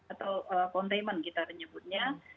atau containment kita menyebutnya